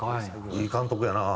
いい監督やな。